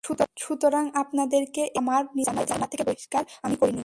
সুতরাং আপনাদেরকে এবং আমার নিজেকে জান্নাত থেকে বহিষ্কার আমি করিনি।